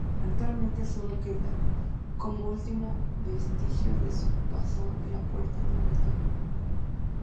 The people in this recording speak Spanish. Actualmente sólo queda, como último vestigio de su pasado la "Puerta de Bretaña".